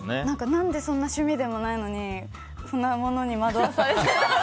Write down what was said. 何でそんな趣味でもないのにこんなものに惑わされて。